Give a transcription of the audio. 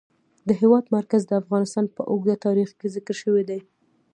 د هېواد مرکز د افغانستان په اوږده تاریخ کې ذکر شوی دی.